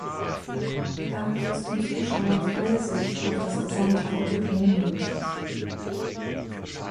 Dadurch ist den Zuschauern freie Sicht auf das gesamte Autodrom möglich.